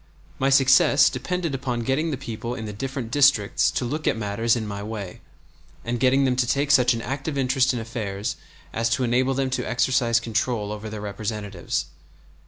My success depended upon getting the people in the different districts to look at matters in my way, and getting them to take such an active interest in affairs as to enable them to exercise control over their representatives.